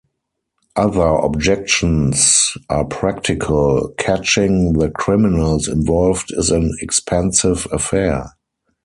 Other objections are practical: catching the "criminals" involved is an expensive affair.